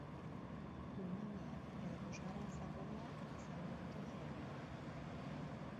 Umamia edo bosgarren zaporea izango dute jomuga.